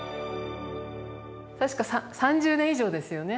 確か３０年以上ですよね